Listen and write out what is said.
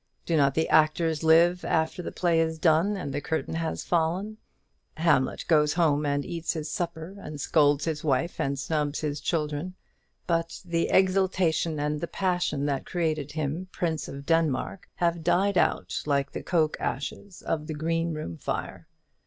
Do not the actors live after the play is done, and the curtain has fallen? Hamlet goes home and eats his supper, and scolds his wife and snubs his children; but the exaltation and the passion that created him Prince of Denmark have died out like the coke ashes of the green room fire.